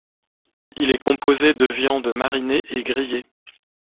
Il est composé de viande marinée et grillée.